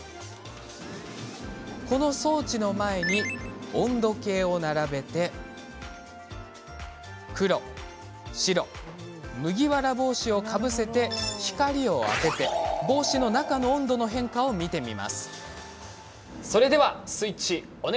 この装置の前に温度計を並べて黒、白、麦わらの帽子をかぶせて光を当てて帽子の中の温度の変化を見てみようというものです。